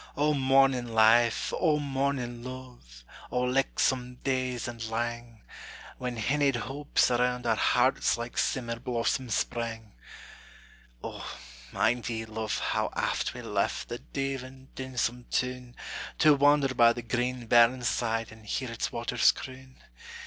O mornin' life! O mornin' luve! O lichtsome days and lang, When hinnied hopes around our hearts Like simmer blossoms sprang! O, mind ye, luve, how aft we left The deavin', dinsome toun, To wander by the green burnside, And hear its waters croon?